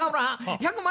１００万